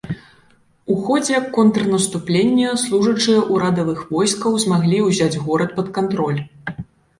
У ходзе контрнаступлення служачыя ўрадавых войскаў змаглі ўзяць горад пад кантроль.